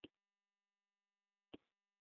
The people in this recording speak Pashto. هغه نهه کلن و چې کورنۍ یې پاکستان ته کډه شوه.